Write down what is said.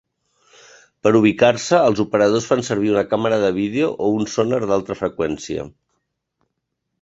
Per ubicar-se els operadors fan servir una càmera de vídeo o un sonar d'alta freqüència.